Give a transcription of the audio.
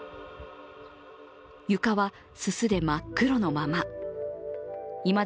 床は、すすで真っ黒のまま。